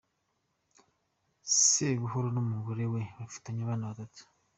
Sebuhoro n’umugore we bafitanye abana batatu.